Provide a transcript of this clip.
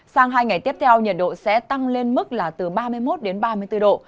sang hai ngày tiếp theo nhiệt độ sẽ tăng lên mức là từ ba mươi một đến ba mươi bốn độ